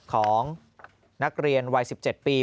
ของนักเรียนวัย๑๗ปี